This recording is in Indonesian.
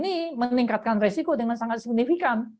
ini meningkatkan resiko dengan sangat signifikan